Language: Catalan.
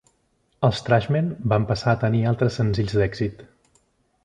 Els Trashmen van passar a tenir altres senzills d'èxit.